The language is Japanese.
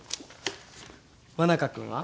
真中君は？